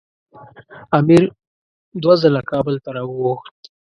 امیر دوه ځله کابل ته راوغوښت.